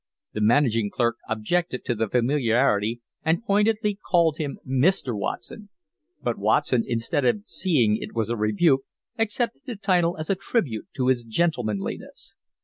The managing clerk objected to the familiarity, and pointedly called him Mr. Watson, but Watson, instead of seeing that it was a rebuke, accepted the title as a tribute to his gentlemanliness.